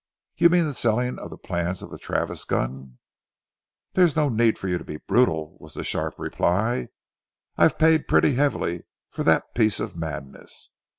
"You mean the selling of the plans of the Travis gun?" "There's no need for you to be brutal!" was the sharp reply. "I've paid pretty heavily for that piece of madness.